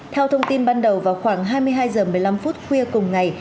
theo thông tin ban đầu vào khoảng hai mươi hai h một mươi năm phút khuya cùng ngày